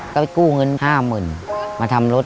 ก็ไปกู้เงิน๕๐๐๐มาทำรถ